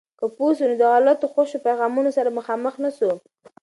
که پوه سو، نو د غلطو خوشو پیغامونو سره به مخامخ نسو.